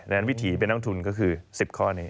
ฉีเป็นนักทุนก็คือ๑๐ข้อนี้